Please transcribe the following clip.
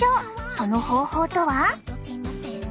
その方法とは？